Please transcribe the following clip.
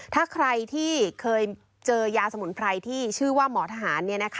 ถ้าใครที่เคยเจอยาสมุนไพรที่ชื่อว่าหมอทหาร